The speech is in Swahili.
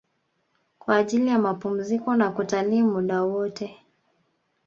Kwa ajili ya mapumziko na kutalii muda wote